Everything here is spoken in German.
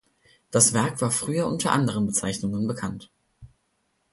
Das Werk war früher unter anderen Bezeichnungen bekannt.